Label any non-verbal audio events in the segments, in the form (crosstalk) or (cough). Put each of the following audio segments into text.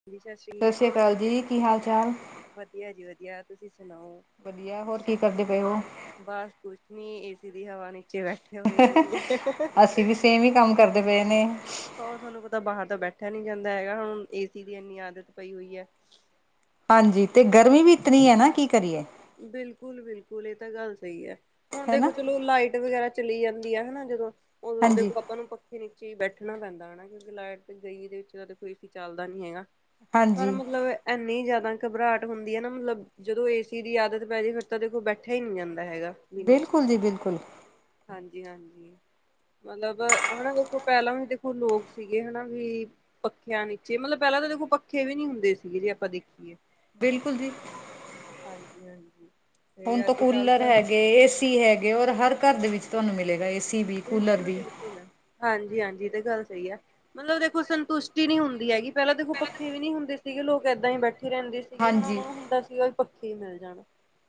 ਹਾਂਜੀ ਸਤਿ ਸ਼੍ਰੀ ਅਕਾਲ ਜੀ ਕੀ ਹਾਲ ਚਾਲ ਵਧੀਆ ਜੀ ਵਧੀਆ ਤੁਸੀਂ ਸੁਣਾਓ। ਵਧੀਆ ਹੋਰ ਕੀ ਕਰਦੇ ਪਏ ਓ। ਬਸ ਕੁਛ ਨੀ ਏਸੀ ਦੀ ਹਵਾ ਨੀਚੇ ਬੈਠੇ ਹੋਏ ਸੀਗੇ। (inaudible) ਤੇ ਏਵੇ ਕੰਮ ਕਰਦੇ ਪਏ ਨੇ। (inaudible) ਉਹ ਤੁਹਾਨੂੰ ਪਤਾ ਬਾਹਰ ਤਾਂ ਬੈਠਿਆ ਨੀ ਜਾਂਦਾ ਹੈਗਾ ਹੁਣ ਏਸੀ ਦੀ ਇੰਨੀ ਆਦਤ ਪਈ ਹੋਈ ਹੈ। ਹਾਂਜੀ ਤੇ ਗਰਮੀ ਵੀ ਇਤਨੀ ਹੈ ਨਾ ਕੀ ਕਰੀਏ। ਬਿਲਕੁਲ -ਬਿਲਕੁਲ ਇਹ ਤਾਂ ਗੱਲ ਸਹੀ ਹੈ ਹੁਣ ਹਨਾ ਦੇਖੋ ਚਲੋ ਲਾਈਟ ਵਗੈਰਾ ਚਲੀ ਜਾਂਦੀ ਆ ਹਨਾ ਜਦੋਂ ਉਦੋਂ ਹਾਂਜੀ ਦੇਖੋ ਆਪਾਂ ਨੂੰ ਨੀਚੇ ਹੀ ਬੈਠਣਾ ਪੈਂਦਾ ਹੈ ਨਾ ਕਿਉਂਕਿ ਲਾਈਟ ਗਈ ਦੇ ਵਿੱਚ ਤਾਂ ਕੋਈ ਚੱਲਦਾ ਨੀ ਹੈਗਾ ਪਰ ਹਾਂਜੀ ਮਤਲਬ ਇੰਨੀ ਜਿਆਦਾ ਘਬਰਾਹਟ ਹੁੰਦੀ ਹੈ ਨਾ ਮਤਲਬ ਜਦੋਂ ਏਸ ਏਦੀ ਆਦਤ ਪੈ ਜੇ ਫਿਰ ਤਾਂ ਦੇਖੋ ਬੈਠਾ ਹੀ ਨਹੀਂ ਜਾਂਦਾ ਹੈਗਾ ਬਿਨਾਂ ਏ ਸੀ ਬਿਲਕੁਲ ਜੀ ਤੋ ਬਿਲਕੁਲ ਹਾਂਜੀ -ਹਾਂਜੀ ਮਤਲਬ ਹਨਾ ਦੇਖੋ ਪਹਿਲਾਂ ਵੀ ਦੇਖੋ ਲੋਕ ਸੀਗੇ ਹਨਾ ਵੀ ਪੱਖਿਆਂ ਨੀਚੇ ਮਤਲਬ ਪਹਿਲਾਂ ਤਾਂ ਦੇਖਲੋ ਪੱਖੇ ਵੀ ਨੀ ਹੁੰਦੇ ਸੀਗੇ ਜੇ ਆਪਾਂ ਦੇਖੀਏ। ਬਿਲਕੁਲ ਜੀ। ਹਾਂਜੀ -ਹਾਂਜੀ ਹੁਣ ਤੇ ਤੋਂ ਅੱਜ ਕੱਲ੍ਹ ਕੂਲਰ ਤਾਂ ਹੈਗੇ ਏਸੀ ਹੈਗੇ ਔਰ ਹਰ ਘਰ ਦੇ ਵਿੱਚ ਤੁਹਾਨੂੰ ਮਿਲੇਗਾ ਏਸੀ ਵੀ ਕੂਲਰ ਬਿਲਕੁਲ ਵੀ -ਬਿਲਕੁਲ ਹਾਂਜੀ -ਹਾਂਜੀ ਏ ਤੇ ਗੱਲ ਸਹੀ ਐ। ਮਤਲਬ ਦੇਖੋ ਸੰਤੁਸ਼ਟੀ ਨੀ ਹੁੰਦੀ ਹੈਗੀ ਪਹਿਲਾਂ ਦੇਖੋ ਪੱਖੇ ਵੀ ਨਹੀਂ ਹੁੰਦੇ ਸੀਗੇ ਲੋਕ ਏਦਾਂ ਹੀ ਬੈਠੇ ਰਹਿੰਦੇ ਸ ਸੀਗੇ ਹੁਣ ਹਾਂਜੀ ਓਹਨਾਂ ਹੁੰਦਾ ਸੀਗਾ ਈ ਪੱਖੇ ਹੀ ਮਿਲ ਜਾਣ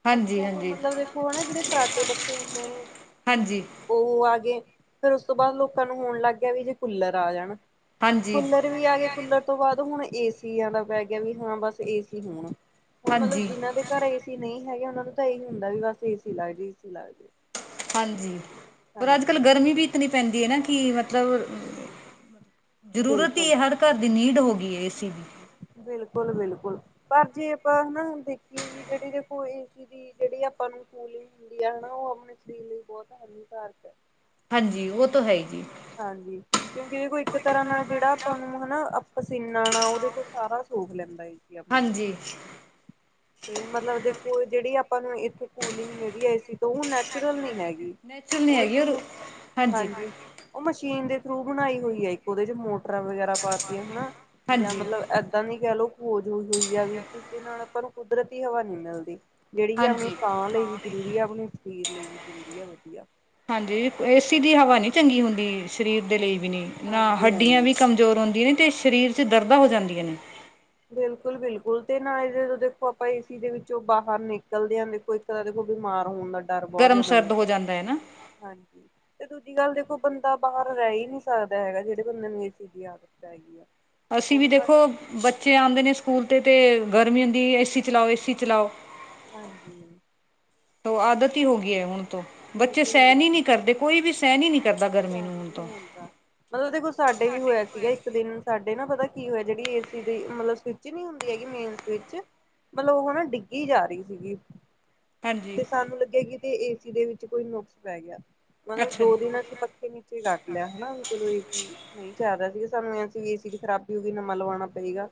ਹਾਂਜੀ ਪੱਖਿਆਂ ਤੋਂ ਹਾਂਜੀ ਮਤਲਬ ਦੇਖੋ ਹਨ ਨਾ ਜਿਹੜੇ ਫਰਾਟੇ ਪੱਖੇ ਹੁੰਦੇ ਨੇ ਹਾਂਜੀ ਉਹ ਐ ਫਿਰ ਉਸ ਤੋਂ ਬਾਅਦ ਲੋਕਾਂ ਨੂੰ ਹੋਣ ਲੱਗ ਗਿਆ ਵੀ ਜੇ ਕੂਲਰ ਆ ਜਾਣ ਹਾਂਜੀ ਕੂਲਰ ਵੀ ਆ ਗਏ। ਕੂਲਰ ਤੋਂ ਬਾਅਦ ਹੁਣ ਏਸੀਆਂ ਦਾ ਪੈ ਗਿਆ ਵੀ ਹਾਂ ਬਸ ਏਸੀ ਹੋਣ ਹੁਣ ਮਤਲਬ ਹਾਂਜੀ ਜਿਹਨਾਂ ਦੇ ਘਰ ਏ ਸੀ ਨਹੀਂ ਹੈਗੇ ਉਹਨਾਂ ਨੂੰ ਤਾਂ ਇਹੀ ਹੁੰਦਾ ਵੀ ਬਸ ਏ ਸੀ ਲੱਗ ਜਾਏ- ਏ ਸੀ ਲੱਗ ਜਾਏ। ਹਾਂਜੀ ਪਰ ਅੱਜ ਕੱਲ੍ਹ ਗਰਮੀ ਵੀ ਇਤਨੀ ਪੈਂਦੀ ਹੈ ਨਾ ਕਿ ਮਤਲਬ ਜ਼ਰੂਰਤ ਹੀ ਬਿਲਕੁਲ, ਏ ਹਰ ਘਰ ਦੀ ਨੀਡ ਹੋ ਗਈ ਏ, ਏ ਸੀ। ਬਿਲਕੁਲ-ਬਿਲਕੁਲ ਪਰ ਜੇ ਆਪਾਂ ਹਨਾ, ਦੇਖੀਏ ਵੀ ਜਿਹੜੀ ਦੇਖੋ ਇਹ ਚ ਜਿਹੜੀ ਆਪਾਂ ਨੂੰ ਕੂਲਿੰਗ ਹੁੰਦੀ ਆ ਹਨਾ, ਉਹ ਆਪਣੇ ਸਰੀਰ ਲਈ ਬਹੁਤ ਹਾਨੀਕਾਰਕ ਹੈ। ਹਾਂਜੀ ਉਹ ਤਾਂ ਹੈ, ਜੀ ਹਾਂਜੀ- ਕਿਉਕਿ ਇਹਦੇ ਕੋਈ ਇਕ ਤਰ੍ਹਾਂ ਨਾਲ ਜਿਹੜਾ ਆਪਾਂ ਨੂੰ ਹਨਾ, ਪਸੀਨਾ ਨਾਲ ਉਹਦੇ ਕੋਲ ਸਾਰਾ ਸੋਖ ਲੈਂਦਾ ਹੈ। ਹਾਂਜੀ, ਤੇ ਮਤਲਬ ਦੇਖੋ, ਜਿਹੜੀ ਆਪਾਂ ਨੂੰ ਇਥੋਂ ਕੂਲਿੰਗ ਮਿਲਲੀ ਆਈ ਸੀ ਤਾਂ ਉਹ ਨੈਚੁਰਲ ਨਹੀ ਹੈਗੀ ਨੈਚੁਰਲ ਨਹੀਂ ਉਹ ਹੈਗੀ ਇਕ ਔਰ ਹਾਂਜੀ ਉਹ ਮਸ਼ੀਨ ਦੇ ਥਰੂ ਬਣਾਈ ਹੋਈ ਹੈ, ਇਕ ਉਹਦੇ ਚ ਮੋਟਰਾਂ ਵਗੈਰਾ ਪਾਤੀਆਂ ਹਨਾ, ਜਾਂ ਹਾਂਜੀ ਮਤਲਬ ਏਦਾਂ ਦੀ ਕਹਿ ਲਓ, ਖੋਜ ਹੋ ਹੋਈ ਆ ਵੀ ਜਿਸਦੇ ਨਾਲ ਆਪਾਂ ਨੂੰ ਕੁਦਰਤੀ ਹਵਾ ਨੀ ਮਿਲਦੀ ਜਿਹੜੀ ਹੈ, ਆਪਣੀ ਹਾਂਜੀ ਸਾਹ ਲਈ ਵੀ ਜ਼ਰੂਰੀ ਹੈ, ਆਪਣੇ ਸਰੀਰ ਲਈ ਵੀ ਜ਼ਰੂਰੀ ਹੈ ਵਧੀਆ ਹਾਂਜੀ ਏਸੀ ਦੀ ਹਵਾ ਨੀ ਚੰਗੀ ਹੁੰਦੀ, ਸਰੀਰ ਦੇ ਲਈ ਵੀ ਨੀ ਨਾ ਹਾਂਜੀ ਹੱਡੀਆਂ ਹਾਂਜੀ। ਵੀ ਕਮ ਜ਼ੋਰ ਹੁੰਦੀ ਨੇ, ਤੇ ਸਰੀਰ 'ਚ ਦਰਦਾਂ ਹੋ ਜਾਂਦੀਆਂ ਨੇ। ਬਿਲਕੁਲ-ਬਿਲਕੁਲ ਤੇ ਨਾ ਇਹ ਜੋਂ ਦੇਖੋ, ਆਪਾਂ ਏ ਦੇ ਵਿੱਚੋਂ ਬਾਹਰ ਨਿਕਲਦੇ ਹਾਂ ਦੇਖੋ। ਤਰ ਦੇ ਕੋਲ ਬਿਮਾਰ ਹੋਣ, ਦਾ ਡਰ ਬਹੁਤ ਗਰਮ ਜ਼ਿਆਦਾ ਸਰਦ ਹੋ ਰਹਿੰਦਾ। ਜਾਂਦਾ ਹੈ ਨਾ ਹਾਂਜੀ ਤੇ ਦੂਜੀ ਗੱਲ ਦੇਖੋ, ਬੰਦਾ ਬਾਹਰ ਰਹਿ ਹੀ ਨਹੀਂ ਸਕਦਾ ਹੈਗਾ, ਜਿਹੜੇ ਬੰਦੇ ਨੂੰ ਏਸੀ ਦੀ ਆਦਤ (unintelligible) ਅਸੀਂ ਵੀ ਬਸ ਦੇਖੋ, ਬੱਚੇ ਆਉਂਦੇ ਨੇ ਸਕੂਲ ਤੇ-ਤੇ ਗਰਮੀ ਹੁੰਦੀ ਏਸੀ ਚਲਾਓ, ਏਸੀ ਚਲਾਓ। ਹਾਂਜੀ, ਤੋ ਆਦਤ ਹੀ ਹੋ ਗਈ ਹੈ ਹੁਣ ਤੋਂ, ਬੱਚੇ ਸਹਿਣ ਹੀ ਬਿਲਕੁਲ-ਬਿਲਕੁਲ ਨਹੀਂ ਕਰਦੇ। ਕੋਈ ਵੀ ਸਹਿਣ ਹੀ ਨਹੀਂ ਕਰਦਾ, ਗਰਮੀ ਸਹਿਣ ਨੂੰ ਹੁਣ ਹੀ ਤੋਂ ਨਹੀਂ ਹੁੰਦਾ। ਮਤਲਬ ਦੇਖੋ, ਸਾਡੇ ਵੀ ਹੋਇਆ ਸੀਗਾ, ਇੱਕ ਦਿਨ ਸਾਡੇ ਨਾ ਪਤਾ ਕੀ ਹੋਇਆ, ਜਿਹੜੀ ਏ ਸੀ ਦੀ ਮਤਲਬ ਸਵਿੱਚ ਨਹੀਂ ਹੁੰਦੀ ਹੈਗੀ ਮੇਨ ਵਿਚ ਮਤਲਬ ਉਹ ਹਨਾ, ਡਿੱਗੀ ਜਾ ਰਹੀ ਸੀਗੀ। ਹਾਂਜੀ ਤੇ ਸਾਨੂੰ ਲੱਗਿਆ, ਕਿ ਤੇ ਏਸੀ ਦੇ ਵਿਚ ਕੋਈ ਨੁਕਸ ਪੈ ਗਿਆ, ਮਤਲਬ ਅੱਛਾ ਜੀ ਦੋ ਦਿਨ ਪੱਖੇ ਨੀਚੇ ਕੱਟ ਲਿਆ ਹਨਾ, ਵੀ ਚਲੋ ਇਹੀ ਨਹੀ ਚਾਹੀਦਾ ਸੀਗਾ, ਸਾਨੂੰ ਐਸੀ ਏਸੀ 'ਚ ਖਰਾਬੀ ਹੋਈ ਨਵਾਂ ਲਵਾਉਣਾ ਪਏਗਾ।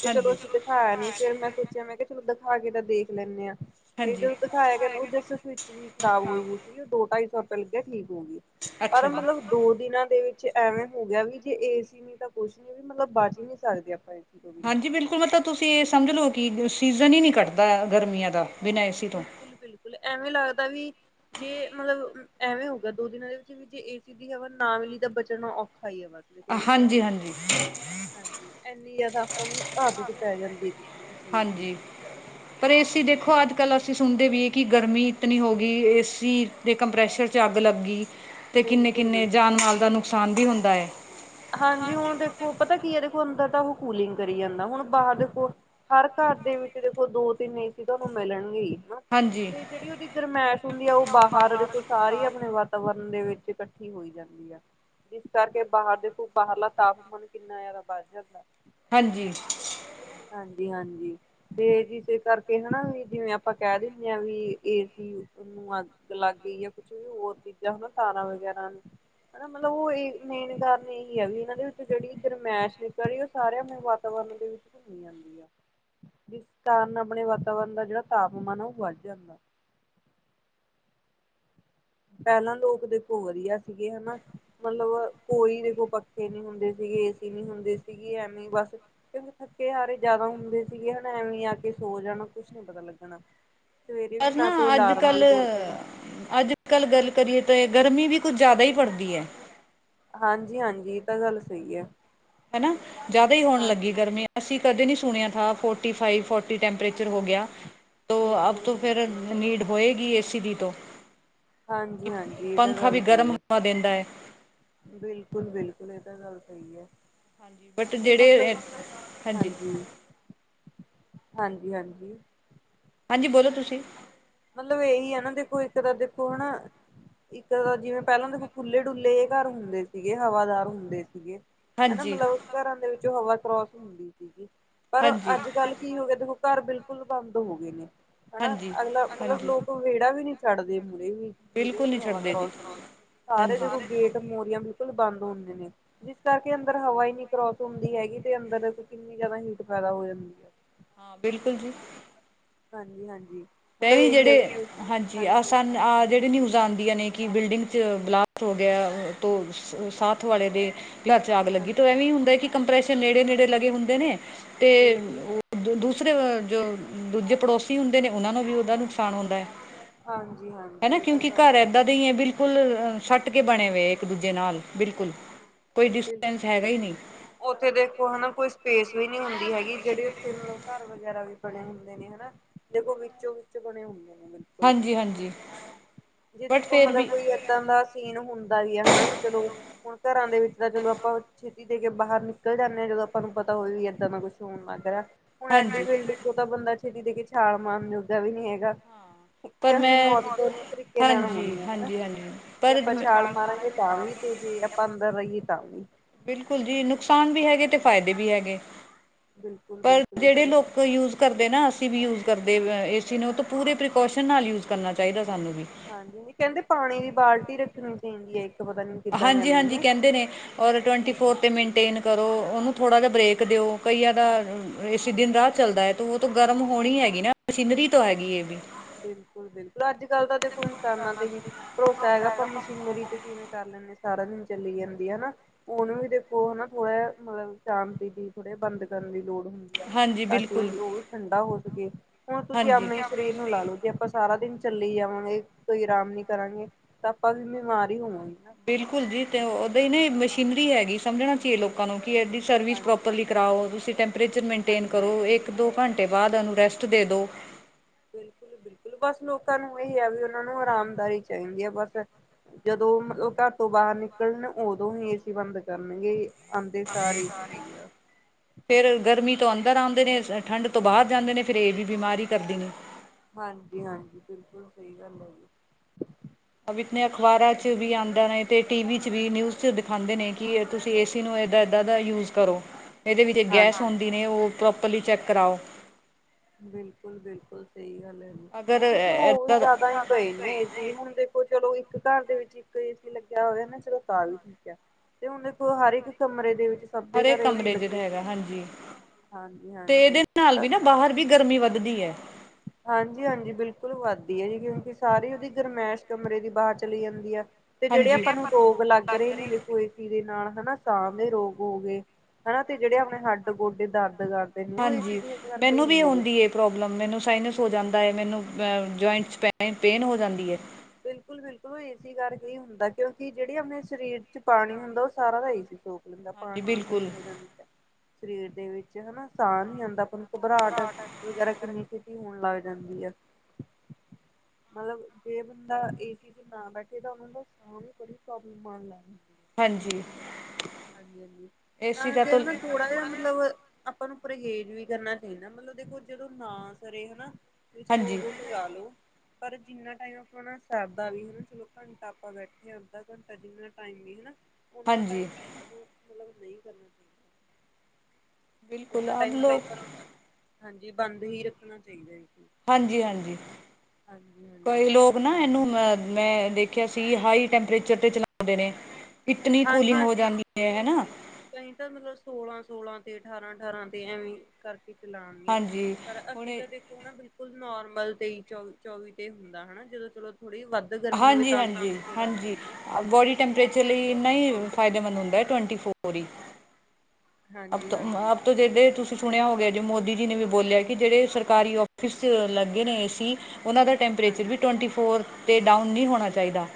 ਤੇ ਚਲੋ ਹਾਂਜੀ ਅਸੀ ਦਿਖਾਇਆ, ਨੀ ਫੇਰ ਮੈ ਸੋਚਿਆ ਮੈ ਕਿਹਾ ਚਲੋ, ਦਿਖਾ ਕੇ ਤਾਂ ਦੇਖ ਲੈਂਦੇ ਆ। ਤੇ ਹਾਂਜੀ ਜਦੋਂ ਦਿਖਾਇਆ, ਗਿਆ ਜਿਸ ਸਵਿਚ ਜ ਖਰਾਬ ਹੋਈ ਹੋਈ ਸੀਗੀ, ਉਹ ਦੋ ਢਾਈ ਸੌ ਰੁਪਏ ਲਗਿਆ ਠੀਕ ਹੋ ਗਈ ਅੱਛਾ ਪਰ ਜੀ ਮਤਲਬ ਦੋ ਦਿਨਾਂ ਦੇ ਵਿਚ ਐਵੇ ਹੋ ਗਿਆ ਵੀ ਜੇ ਏ ਸੀ, ਨੀ ਤਾਂ ਕੁਛ ਨੀ ਵੀ ਮਤਲਬ ਬਚ ਹੀ ਨੀ ਸਕਦੇ ਆਪਾਂ ਇਸ ਤੋਂ ਬਿਨਾਂ। ਹਾਂਜੀ, ਬਿਲਕੁਲ ਮਤਲਬ ਤੁਸੀ ਇਹ ਸਮਝ ਲਓ, ਕਿ ਸੀਜ਼ਨ ਹੀ ਨਹੀ ਕੱਟਦਾ ਗਰਮੀਆਂ ਦਾ ਬਿਨਾਂ ਏਸੀ ਤੋਂ ਬਿਲਕੁਲ-ਬਿਲਕੁਲ ਐਵੇਂ ਲੱਗਦਾ, ਵੀ ਜੇ ਮਤਲਬ ਐਵੇ ਹੋਗਾ ਦੋ ਦਿਨਾਂ ਦੇ ਵਿਚ ਵੀ ਜੇ ਏ ਸੀ ਦੀ ਹਵਾ ਨਾ ਮਿਲੀ ਤਾਂ ਬਚਣਾ ਔਖਾ ਹੀ ਹੈ ਬਸ- ਕੋਈ ਚੀਜ਼ ਹਾਂਜੀ ਹੋ ਹਾਂਜੀ ਹਾਂਜੀ, ਇਨੀ ਜਿਆਦਾ ਆਪਾਂ ਨੂੰ ਆਦਤ ਪੈ ਜਾਂਦੀ ਕਿਸੇ ਵੀ ਚੀਜ਼ ਦੀ। ਹਾਂਜੀ ਪਰ ਏਸੀ ਦੇਖੋ ਅਜ-ਕਲ ਅਸੀ ਸੁਣਦੇ ਵੀਏ ਕਿ ਗਰਮੀ ਇਤਨੀ ਹੋ ਗਈ ਏਸੀ ਜੇ ਕੰਪਰੈਸ਼ਰ 'ਚ ਅੱਗ ਲੱਗੀ ਅਤੇ ਕਿਨੇ-ਕਿਨੇ ਬਿਲਕੁਲ-ਬਿਲਕੁਲ ਜਾਨ ਨਾਲ ਦਾ ਨੁਕਸਾਨ ਵੀ ਹੁੰਦਾ ਹੈ। ਹਾਂਜੀ ਹੁਣ ਦੇਖੋ ਪਤਾ ਕੀ ਹੈ, ਦੇਖੋ ਅੰਦਰ ਤਾਂ ਉਹ ਕੂਲਿੰਗ ਕਰੀ ਜਾਂਦਾ ਹੁਣ ਬਾਹਰ ਦੇਖੋ ਹਰ ਘਰ ਦੇ ਵਿਚ ਦੇਖੋ, ਦੋ ਤਿੰਨ ਨਹੀ ਸੀ ਤਾਂ ਉਹਨੂੰ ਮਿਲਣਗੇ ਹਨਾ ਹਾਂਜੀ ਤੇ ਜਿਹੜੀ ਉਹਦੀ ਗਰਮੈਸ਼ ਹੁੰਦੀ ਆ, ਉਹ ਬਾਹਰ ਕੋਲ ਸਾਰੇ ਹੀ ਆਪਣੇ ਵੱ ਵਾਤਾਵਰਨ ਦੇ ਵਿਚ ਇਕਠੀ ਹੋਈ ਜਾਦੀ ਹੈ, ਜਿਸ ਕਰਕੇ ਬਾਹਰ ਦੇ ਬਾਹਰਲਾ ਤਾਪਮਾਨ ਕਿਨਾ ਜਦਾ ਵੱਧ ਜਾਦਾ, ਹਾਂਜੀ ਹਾਂਜੀ-ਹਾਂਜੀ, ਤੇ ਜਿਸੇ ਕਰਕੇ ਹਨਾ ਵੀ ਜਿਵੇ, ਆਪਾਂ ਕਹਿ ਦਿੰਦੇ ਹਾਂ ਵੀ ਇਹ ਸੀ। ਨੂੰ ਅੱਗ ਲੱਗ ਗਈ ਹੈ, ਕੁਛ ਵੀ ਹੋਰ ਚੀਜਾ ਹਨਾ ਤਾਰਾਂ ਵਗੈਰਾ ਨੂੰ ਹਨਾ ਮਤਲਬ ਉਹ ਮੇਨਦਾਰਨ ਇਹੀ ਹੈ, ਵੀ ਇਹਨਾਂ ਦੇ ਵਿਚੋਂ ਜਿਹੜੀ ਗਰਮੈਸ਼ ਨਿਕਲ ਰਹੀ ਉਹ ਸਾਰਿਆਂ ਵਾਪ ਉਹਨਾਂ ਦੇ ਵਿਚ ਜਾਂਦੀ ਆ ਜਿਸ ਕਾਰਨ ਆਪਣੇ ਵਾਤਾਵਰਨ ਦਾ ਜਿਹੜਾ ਤਾਪਮਾਨ ਆ ਉਹ ਵੱਧ ਜਾਂਦਾ ਪਹਿਲਾਂ ਲੋਕ ਦੇਖੋ ਵਧੀਆ ਸੀਗੇ ਹਨਾ, ਮਤਲਬ ਕੋਈ ਦੇ ਕੋਲ ਪੱਖੇ ਨੀ ਹੁੰਦੇ ਸੀਗੇ ਏਸੀ ਨੀ ਹੁੰਦੇ ਸੀਗੀ ਐਵੇਂ ਬਸ ਕਿਉਂਕਿ ਥੱਕੇ ਹਾਰੇ ਜਿਆਦਾ ਹੁੰਦੇ ਸੀਗੇ ਹਨਾ ਐਵੇਂ ਆ ਕੇ ਸੋ ਜਾਣਾ ਕੁਛ ਨੀ ਪਤਾ ਲੱਗਣਾ‌। ਪਰ ਨਾ ਅੱਜ ਕੱਲ੍ਹ ਅੱਜ ਅੱਜ ਕੱਲ੍ਹ ਗੱਲ ਕਰੀਏ ਤਾਂ ਗਰਮੀ ਵੀ ਕੁੱਝ ਜ਼ਿਆਦਾ ਹੀ ਪੜਦੀ ਹੈ। ਹਾਂਜੀ-ਹਾਂਜੀ ਤਾਂ ਗੱਲ ਸਹੀ ਹੈ। ਹਨਾ ਜਿਆਦਾ ਹੀ ਹੋਣ ਲੱਗੀ ਹਾਂਜੀ ਗਰਮੀ ਅਸੀਂ ਕਦੇ ਨਹੀਂ ਸੁਣਿਆ ਥਾ ਫੋਰਟੀ ਫਾਈਵ ਫੋਰਟੀ ਟੈਂਪਰੇਚਰ ਹੋ ਗਿਆ। ਤ ਅਬ ਬਿਲਕੁਲ ਤੋਂ ਫਿਰ ਬਿਲਕੁਲ ਨੀਡ ਹੋਏਗੀ ਏ ਸੀ ਦੀ ਤੋ ਕਿਉਕਿ ਹਾਂਜੀ ਹਾਂਜੀ ਇਹ ਤਾਂ ਪੰਖਾ ਵੀ ਗੱਲ ਗਰਮ ਸਹੀ ਹੈ ਹਵਾ ਦਿੰਦਾ ਹੈ। ਬਿਲਕੁਲ -ਬਿਲਕੁਲ ਇਹ ਤਾਂ ਗੱਲ ਸਹੀ ਹੈ। ਬਟ ਤੇ ਜਿਹੜੇ ਮਤਲਬ ਹਾਂਜੀ ਹਾਂਜੀ ਹਾਂਜੀ- ਹਾਂਜੀ ਹਾਂਜੀ ਬੋਲੋ ਤੁਸੀ ਮਤਲਬ ਇਹੀ ਹਨਾ ਦੇਖੋ ਇਕ ਤਾਂ ਦੇਖੋ ਹਨਾ। ਇਕ ਤਾਂ ਜਿਵੇਂ ਪਹਿਲਾਂ ਦੇਖੋ ਖੁੱਲ੍ਹੇ ਡੁੱਲੇ ਇਹ ਘਰ ਹੁੰਦੇ ਸੀਗੇ ਹਵਾਦਾਰ ਹੁੰਦੇ ਸੀਗੇ। ਹਨਾ ਹਾਂਜੀ ਮਤਲਬ ਘਰਾਂ ਦੇ ਵਿੱਚੋ ਹਵਾ ਕਰੋਸ ਹੁੰਦੀ ਸੀਗੀ ਪਰ ਹਾਂਜੀ ਅਜ ਕਲ ਕੀ ਹੋ ਗਿਆ ਦੇਖੋ ਘਰ ਬਿਲਕੁਲ ਬੰਦ ਹੋ ਗਏ ਨੇ ਹਨਾ ਹਾਂਜੀ ਅਗਲਾ ਮਤਲਬ ਹਾਂਜੀ ਲੋਕ ਵਿਹੜਾ ਵੀ ਨੀ ਛੱਡਦੇ ਮੁਰੇ ਵੀ ਜਿਹਦੇ ਬਿਲਕੁਲ ਵਿਚ ਨਹੀਂ ਹਵਾ ਛੱਡਦੇ ਕਰੋਸ ਜੀ ਹੁੰਦੀ ਸਾਰੇ ਹਾਂਜੀ ਦੇਖੋ ਗੇਟ ਮੋਰੀਆਂ ਬਿਲਕੁਲ ਬੰਦ ਹੁੰਦੇ ਨੇ ਜਿਸ ਕਰਕੇ ਅੰਦਰ ਹਵਾ ਹੀ ਨਹੀਂ ਕਰੋਸ ਹੁੰਦੀ ਹੈਗੀ ਤੇ ਅੰਦਰ ਕਿਨੀ ਜਿਆਦਾ ਹੀਟ ਪੈਦਾ ਹੋ ਜਾਂਦੀ ਹੈ। ਹਾਂ ਬਿਲਕੁਲ ਜੀ। ਹਾਂਜੀ- ਹਾਂਜੀ ਮਤਲਬ ਵੀ ਇਹੀ ਹੈ ਜਿਹੜੇ ਹਾਂਜੀ ਆਹ ਸਾਨ ਆਹ ਜਿਹੜੇ ਨਿਊਜ਼ ਆਣ ਨੇ ਕਿ ਬਿਲਡਿੰਗ 'ਚ ਬਲਾਸਟ ਹੋ ਗਿਆ ਤੋਂ ਸਾਥ ਵਾਲੇ ਦੇ ਘਰ 'ਚ ਆਗ ਲੱਗੀ ਹਾਂਜੀ ਤੇ ਐਵੇਂ ਹੁੰਦਾ ਕਿ ਕੰਪ੍ਰੈਸ਼ਰ ਨੇੜੇ-ਨੇੜੇ ਲੱਗੇ ਹੁੰਦੇ ਨੇ ਤੇ ਬਿਲਕੁਲ ਦੂਸਰੇ ਜੋ ਦੂਜੇ ਪੜੋਸੀ ਹੁੰਦੇ ਨੇ ਉਹਨਾ ਨੂੰ ਵੀ ਉਹਦਾ ਨੁਕਸਾਨ ਹੁੰਦਾ ਹੈ। ਹਾਂਜੀ ਹਨਾ -ਹਾਂਜੀ ਇਹ ਤਾਂ ਕਿਉਂਕਿ ਗੱਲ ਘਰ ਤੁਹਾਡੀ ਏਦਾਂ ਦੇ ਹੀ ਹੈ ਬਿਲਕੁਲ ਸੱਟ ਕੇ ਬਣੇ ਵਏ ਇੱਕ ਦੂਜੇ ਨਾਲ ਬਿਲਕੁਲ ਕੋਈ ਡਿਸਟੈਂਸ ਹੈਗਾ ਹੀ ਨਹੀਂ। ਉਥੇ ਦੇਖੋ ਹਨਾ ਕੋਈ ਸਪੇਸ ਵੀ ਨੀ ਹੁੰਦੀ ਹੈਗੀ ਜਿਹੜੀ ਉੱਥੇ ਮਤਲਬ ਘਰ ਵਗੈਰਾ ਵੀ ਬੜੇ ਹੁੰਦੇ। ਨੇ ਹਨਾ ਦੇਖੋ ਵਿਚੋਂ ਵਿਚ ਬਣੇ ਹੁੰਦੇ ਨੇ। ਹਾਂਜੀ-ਹਾਂਜੀ ਜੇ ਬਟ ਦੇਖੋ ਫਿਰ ਮਤਲਬ ਵੀ ਕੋਈ ਇਦਾਂ ਇਦਾਂ ਦਾ ਸੀਨ ਹੁੰਦਾ ਵੀ ਹੈ ਹਨਾ ਵੀ ਚਲੋ ਹੁਣ ਘਰਾਂ ਦੇ ਵਿੱਚ ਤਾਂ ਚਲੋ ਆਪਾਂ ਛੇਤੀ ਦੇ ਕੇ ਬਾਹਰ ਨਿਕਲ ਜਾਂਦੇ ਆ ਜਦੋਂ ਆਪਾਂ ਨੂੰ ਪਤਾ ਹੋਵੇ ਵੀ ਏਦਾਂ ਦਾ ਕੁਛ ਹੋਣ ਲੱਗ ਰਿਹਾ ਹੁਣ ਐਡੀ ਹਾਂਜੀ ਬਿਲਡਿੰਗ ਓਹੋ ਤਾਂ ਬੰਦਾ ਛੇਤੀ ਦੇ ਕੇ ਛਾਲ ਮਾਰਨ ਜੋਗਾ ਵੀ ਨੀ ਹੈਗਾ। ਪਰ ਕਿਉਂਕਿ ਮੈਂ ਮੌਤ ਦੋਨੇ ਤਰੀਕੇ ਨਾਲ ਹੋਣੀ ਆ ਹਨਾ ਹਾਂਜੀ-ਹਾਂਜੀ-ਹਾਂਜੀ ਜੇ ਆਪਾਂ ਪਰ ਛਾਲ ਮਾਰਾਂਗੇ ਤਾਂ ਵੀ ਤੇ ਜੇ ਅੰਦਰ ਰਹੀਏ ਤਾਂ ਵੀ ਬਿਲਕੁਲ ਜੀ ਨੁਕਸਾਨ ਵੀ ਹੈਗੇ ਤੇ ਫ਼ਾਇਦੇ ਵੀ ਹੈਗੇ। ਪਰ ਬਿਲਕੁਲ-ਬਿਲਕੁਲ ਇਹ ਜਿਹੜੇ ਤਾਂ ਗੱਲ ਲੋਕ ਯੂਜ ਕਰਦੇ ਨਾ ਅਸੀਂ ਵੀ ਯੂਜ ਕਰਦੇ ਏ ਸੀ ਨੂੰ ਤਾਂ ਪੂਰੇ ਪ੍ਰੀਕੋਸ਼ਨ ਨਾਲ ਯੂਜ਼ ਕਰਨਾ ਚਾਹੀਦਾ ਸਾਨੂੰ ਵੀ ਹਾਂਜੀ ਕਹਿੰਦੇ ਪਾਣੀ ਦੀ ਬਾਲਟੀ ਰੱਖਣੀ ਚਾਹੀਦੀ ਹੈ ਇੱਕ ਪਤਾ ਨੀ ਹਾਂਜੀ -ਹਾਂਜੀ ਕਹਿੰਦੇ ਨੇ ਔਰ ਟਵੈਂਟੀ ਹਾਂਜੀ ਫੋਰ ਤੇ ਮਨਟੇਨ ਕਰੋ ਉਹਨੂੰ ਥੋੜਾ ਜਿਹਾ ਬ੍ਰੇਕ ਦਿਓ ਕਈਆਂ ਦਾ ਏਸੀ ਦਿਨ ਰਾਤ ਚੱਲਦਾ ਹੈ ਤੇ ਉਹ ਤਾਂ ਗਰਮ ਹੋਣੀ ਹੈਗੀ ਨਾ। ਮਸ਼ੀਨਰੀ ਤੋ ਹੈਗੀ ਇਹ ਵੀ ਬਿਲਕੁਲ -ਬਿਲਕੁਲ ਲੱਜ ਗੱਲ ਦਾ ਦੇਖੋ ਇਨਸਾਨਾਂ ਤੇ ਨ ਭਰੋਸਾ ਹੈਗਾ ਆਪਾਂ ਮਸ਼ੀਨਰੀ ਤੇ ਕਿਵੇਂ ਕਰ ਲੈਂਣੇ। ਸਾਰਾ ਦਿਨ ਚਲੀ ਜਾਂਦੀ ਹੈ ਨਾ। ਉਹਨੂੰ ਵੀ ਦੇਖੋ ਹਨਾ ਥੋੜਾ ਮਤਲਬ ਸ਼ਾਂਤੀ ਦੀ ਥੋੜ੍ਹੇ ਬੰਦ ਕਰਨ ਦੀ ਲੋੜ ਹੁੰਦੀ। ਹਾਂਜੀ ਤਾਂ ਬਿਲਕੁਲ ਕਿ ਉਹ ਵੀ ਠੰਡਾ ਹੋ ਸਕੇ ਹੁਣ ਤੁਸੀਂ ਹਾਂਜੀ ਆਪਣੇ ਸਰੀਰ ਲਾ ਲਓ ਜੇ ਆਪਾਂ ਸਾਰਾ ਦਿਨ ਚੱਲੀ ਜਾਵਾਂਗੇ ਕੋਈ ਆਰਾਮ ਨੀ ਕਰਾਂਗੇ‌। ਤਾਂ ਆਪਾਂ ਵੀ ਬਿਮਾਰ ਹੀ ਹੋਵਾਂਗੇ ਨਾ। ਬਿਲਕੁਲ ਜੀ, ਤੇ ਉਹਦਾ ਹੀ ਨਾ ਮਸ਼ੀਨਰੀ ਹੈਗੀ ਸਮਝਣਾ ਚਾਹੀਏ ਲੋਕਾਂ ਨੂੰ ਕਿ ਇਹਦੀ ਸਰਵਿਸ ਹਾਂਜੀ ਪ੍ਰੋਪਰਲੀ ਕਰਾਓ ਤੁਸੀਂ ਟੈਂਪਰੇਚਰ ਮੇਨਟੇਨ ਹਾਂਜੀ ਕਰੋ ਇੱਕ ਦੋ ਘੰਟੇ ਬਾਅਦ ਉਹਨੂੰ ਰੈਸਟ ਦੇ ਦਿਉ ਬਿਲਕੁਲ -ਬਿਲਕੁਲ, ਬਸ ਲੋਕਾਂ ਨੂੰ ਇਹੀ ਆ ਵੀ ਉਹਨਾਂ ਨੂੰ ਆਰਾਮਦਾਈ ਚਾਹੀਦੀ ਆ ਬਸ ਜਦੋਂ ਮਤਲਬ ਘਰ ਤੋਂ ਬਾਹਰ ਨਿਕਲਣ ਉਦੋਂ ਹੀ ਏਸੀ ਬੰਦ ਕਰਨਗੇ ਆਉਂਦੇ ਅ ਸਾਰ ਏਸੀ ਸਾਰੀ ਚਾਹੀਦਾ (unintelligible) ਫੇਰ ਗਰਮੀ ਤੋਂ ਅੰਦਰ ਆਉਂਦੇ ਨੇ ਠੰਢ ਤੋਂ ਬਾਹਰ ਜਾਂਦੇ ਨੇ ਫਿਰ ਇਹ ਵੀ ਬਿਮਾਰੀ ਕਰਦੀ ਨੇ ਹਾਂਜੀ- ਹਾਂਜੀ ਬਿਲਕੁਲ ਸਹੀ ਗੱਲ ਹੈ ਜੀ ਅ ਵੀ ਇਤਨੀ ਅਖ਼ਬਾਰਾਂ ਚ ਵੀ ਆਂਦਾ ਨੇ ਤੇ ਟੀ ਵੀ ਚ ਵੀ ਨਿਯੂਜ਼ ਚ ਦਿਂਦੇ ਨੇ ਕਿ ਤੁਸੀਂ ਏ ਸੀ ਨੂੰ ਇੱਦਾਂ- ਇੱਦਾਂ ਦਾ ਯੂਜ਼ ਕਰੋ ਇਹਦੇ ਵਿੱਚ ਗੈਸ ਹਾਂਜੀ ਹੁੰਦੀ ਨੇ ਉਹ ਪ੍ਰੋਪਰਲੀ ਚੈੱਕ ਕਰਾਓ ਬਿਲਕੁਲ -ਬਿਲਕੁਲ ਸਹੀ ਗੱਲ ਹੈ ਨੀ, ਅਗਰ ਕੁਛ ਹੋ ਵੀ ਇੱਦਾਂ ਦਾ ਜਿਆਦਾ ਹੀ ਗਏ ਨਾ ਇ ਹੁਣ ਦੇਖ। ਚਲੋ ਇੱਕ ਘਰ ਦੇ ਵਿੱਚ ਇੱਕ ਏਸੀ ਲੱਗਿਆ ਹੋਇਆ ਨਾ ਚਲੋ ਤਾਂ ਵੀ ਠੀਕ ਆ। ਤੇ ਹੁਣ ਦੇਖੋ ਹਰ ਇੱਕ ਕਮਰੇ ਦੇ ਵਿੱਚ। ਸਭ ਦੇ ਘਰ ਹਰੇਕ ਏਸੀ ਕਮਰੇ ਜਿਹੜਾ ਲੱਗੇ ਹੈਗਾ ਹੁੰਦੇ ਹਾਂਜੀ। ਹਾਂਜੀ ਤੇ ਇਹਦੇ ਹਾਂਜੀ ਨਾਲ ਵੀ ਬਾਹਰ ਵੀ ਗਰਮੀ ਵੱਧਦੀ ਹੈ। ਹਾਂਜੀ -ਹਾਂਜੀ ਬਿਲਕੁਲ ਵੱਧਦੀ ਹੈ ਜੀ ਕਿਉਂਕਿ ਸਾਰੀ ਉਹਦੀ ਗਰਮਾਇਸ਼ ਕਮਰੇ ਦੇ ਬਾਹਰ ਚਲੀ ਜਾਂਦੀ ਹੈ। ਤੇ ਜਿਹੜੇ ਹਾਂਜੀ ਆਪਾਂ ਨੂੰ ਰੋਗ ਲੱਗ ਰਹੇ ਨੇ ਜ ਕੋਈ। ਇਹਦੇ ਨਾਲ ਹਨਾ ਸਾਹ ਦੇ ਰੋਗ ਹੋ ਗਏ ਹਨਾ ਤੇ ਜਿਹੜੇ ਆਪਣੇ ਹੱਡ ਗੋਡੇ ਦਰਦ ਕਰ। ਹਾਂਜੀ ਮੈਨੂੰ ਵੀ ਆਉਂਦੀ। ਪ੍ਰੋਬਲਮ ਮੈਨੂੰ ਸਾਈਨਸ ਹੋ ਜਾਂਦਾ ਹੈ, ਮੈਨੂੰ ਜੁਆਇੰਟ 'ਚ ਪੈ ਪੇਨ ਹੋ ਜਾਂਦੀ ਹੈ। ਬਿਲਕੁਲ, ਬਿਲਕੁਲ। ਬਿਲਕੁਲ ਏ ਸੀ ਕਰਕੇ ਹੁੰਦਾ ਕਿਉਂਕਿ ਜਿਹੜੇ ਆਪਣੇ ਸਰੀਰ 'ਚ ਪਾਣੀ ਹੁੰਦਾ ਉਹ ਸਾਰਾ ਦਾ ਏ ਸੀ ਸੋਖ ਦਾ ਹਾਂਜੀ ਪਾਣੀ ਦੀ ਬਿਲਕੁਲ ਕਮੀ ਹੋ ਜਾਂਦੀ ਹੈ ਸਰੀਰ ਦੇ ਵਿੱਚ ਹਨਾ। ਸਾਹ ਨੀ ਆਉਂਦਾ, ਆਪਾਂ ਨੂੰ ਘਬਰਾਹਟ ਵਗੈਰਾ ਕਿੰਨੀ ਹੋਣ ਲੱਗ ਜਾਂਦੀ ਹੈ, ਮਤਲਬ ਜੇ ਬੰਦਾ ਏ ਸੀ 'ਚ ਨਾ ਬੈਠੇ ਤਾਂ ਉਹਨਾਂ ਨੂੰ ਸਾਹ ਦੀ ਬੜੀ ਪ੍ਰੋਬਲਮ ਆਉਣ ਲੱਗ ਜਾਂਦੀ ਏ ਹਾਂਜੀ ਹਾਂਜੀ -ਹਾਂਜੀ ਏ ਸੀ ਤਾਂ ਦਾ ਕਿ ਉਹਨਾ ਥੋੜਾ ਜਿਹਾ ਮਤਲਬ ਆਪਾਂ ਨੂੰ ਪਰਹੇਜ਼ ਵੀ ਕਰਨਾ ਚਾਹੀਦਾ, ਮਤਲਬ ਦੇਖੋ ਜਦੋਂ ਨਾ ਸਰੇ ਹਨਾ ਵੀ ਚਲੋ ਹਾਂਜੀ ਉਦੋਂ ਲਗਾ ਲੋ, ਪਰ ਜਿੰਨਾ ਟਾਈਮ ਹਨ ਸਰਦਾ ਵੀ ਹਨਾ ਚਲੋ ਘੰਟਾ ਆਪਾਂ ਬੈਠੇ ਹ ਅੱਧਾ ਘੰਟਾ ਜਿੰਨਾ ਟਾਈਮ ਵੀ ਹਨਾ ਉਹਨਾਂ ਹਾਂਜੀ ਟਾਈਮ, ਸਾਨੂੰ ਮਤਲਬ ਨਹੀਂ ਕਰਨਾ ਚਾਹੀਦਾ ਬਿਲਕੁਲ ਉਹਨਾਂ ਆਪ ਟਾਈਮ ਮਤਲਬ ਲੋਕ ਆਪਾਂ ਨੂੰ, ਹਾਂਜੀ ਬੰਦ ਹੀ ਰੱਖਣਾ ਚਾਹੀਦਾ ਇਸਨੂੰ ਹਾਂਜੀ -ਹਾਂਜੀ, ਕਈ ਹਾਂਜੀ। ਲੋਕ ਇੱਕ ਨਾ ਇਨੂੰ ਮੈਂ ਦੇਖਿਆ ਸੀ ਹਾਈ ਟੈਂਪਰੇਚਰ ਤੇ ਚਲਾਂਦੇ ਨੇ। ਇਤਨੀ ਹਾਂਜੀ ਕੂਲਿੰਗ ਹੋ ਹਾਂਜੀ ਜਾਂਦੀ ਹੈ ਬਿਲਕੁਲ ਹਨਾ ਕਈ ਤਾਂ ਮਤਲਬ ਸੋਲਾਂ- ਸੋਲਾਂ ਤੇ ਅਠਾਰਾਂ- ਅਠਾਰਾਂ ਤੇ ਐਵੇਂ ਕਰਕੇ ਚਲਾਂਗੇ, ਹਾਂਜੀ ਪਰ ਹੁਣ ਅਸੀਂ ਤਾਂ ਦੇ ਨਾ ਬਿਲਕੁਲ ਨੋਰਮਲ ਤੇਈ ਚੌਵੀ ਚੌਵੀ ਤੇ ਹੁੰਦਾ ਹਨਾ ਜਦੋਂ ਚਲੋ ਥੋੜ੍ਹੀ ਵੱਧ ਗਰਮੀ ਹੋਵੇ ਹਾਂਜੀ ਤਾਂ ਤੇਈ -ਹਾਂਜੀ, ਤੇ ਕਰ ਹਾਂਜੀ ਲੈਂਦੇ ਆ ਬੋਡੀ ਨਹੀਂ ਤਾਂ ਟੈਂਪਰੇਚਰ ਦੇਖੋ ਲਈ ਇੰਨਾ ਹੀ ਚੌਵੀ ਫਾਇਦੇਮੰਦ ਹੁੰਦਾ ਹੈ ਟਵੰਟੀ ਫੋਰ ਹੀ ਅਬ ਹਾਂਜੀ ਤੋਂ ਅ ਹਾਂਜੀ ਅਬ ਤੋਂ (unintelligible) ਤੁਸੀਂ ਸੁਣੇਐ ਓ ਗਯਾ ਪਰ ਜੇ ਦੇਖੋ ਮੋਦੀ ਨਾ ਜੀ ਨੇ ਵੀ ਚਲੋ ਬੋਲੇਐ ਕਿ ਜੇੜੇ ਸਰਕਾਰੀ ਓਫਿ ਔਫਿਸ 'ਚ ਲੱਗ ਗੇ ਨੇ ਏ ਸੀ ਓਨਾਂ ਦਾ ਟੈਂਪਰੇਚਰ ਵੀ ਹਾਂਜੀ ਟਵੈਂਟੀ ਫੋਰ 'ਤੇ ਡਾਊਨ ਨੀ ਹੋਣਾ ਬਿਲਕੁਲ ਚਾਈਦਾ।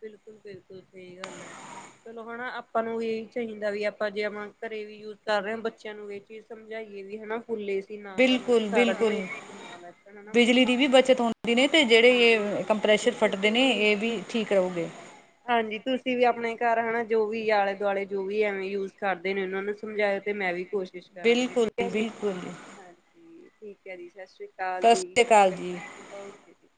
ਬਿਲਕੁਲ -ਬਿਲਕੁਲ ਸਹੀ ਗੱਲ ਹੈ ਚਲੋ ਹਣਾ ਅਪਾਂ ਨੂੰ ਵੀ ਇਹੀ ਚਾਹੀਦਾ ਵੀ ਆਪਾਂ ਜੇ (unintelligible) ਘੱਰੇ ਵੀ ਯੂਸ ਕਰ ਰਏ ਆ ਬੱਚੇਆਂ ਨੂੰ ਇਹ ਚੀਜ਼ ਸਮਝਾਈਏ ਵੀ ਹਨਾ, ਫੁੱਲ ਏਸੀ ਨਾ ਕਰਨ ਤੇ ਬਿਲਕੁਲ ਸਾਰਾ ਦਿਨ ਬਿਲਕੁਲ ਏਸੀ 'ਚ ਨਾ ਬੈਠਣ, ਹਨਾ ਬਿਜਲੀ ਵੀ ਬੱਚਤ ਹੁੰਦੀ ਨੇ ਤੇ ਜਿਹੜੇ ਹਾਂਜੀ ਇਹ ਹਾਂਜੀ ਕੰਪ੍ਰੈਸ਼ਰ ਬਿਲਕੁਲ ਫਟਦੇ ਤੁਸੀਂ ਨੇ ਇਹ ਵੀ ਠੀਕ ਰਹੋਗੇ ਹਾਂਜੀ ਤੁਸੀਂ ਵੀ ਆਪਣੇ ਘਰ ਹਨਾ ਜੋ ਵੀ ਆਲੇ ਦੁਆਲੇ ਜੋ ਵੀ ਐਵੇਂ ਯੂਜ ਕਰਦੇ ਨੇ ਉਹਨਾਂ ਨੂੰ ਸਮਝਾਯਾ ਤੇ ਮੈਂ ਵੀ ਕੋਸ਼ਿਸ਼ ਕਰਾਂਗੀ ਠੀਕ ਐ ਜੀ, ਹਾਂਜੀ ਠੀਕ ਐ ਜੀ ਸ਼ਾਸ੍ਰੀ ਸਤਿ ਸ੍ਰੀ ਅਕਾਲ ਜੀ ਓਕੇ ਜੀ।